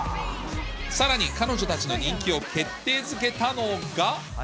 さらに彼女たちの人気を決定づけたのが。